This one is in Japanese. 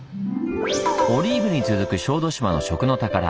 オリーブに続く小豆島の「食の宝」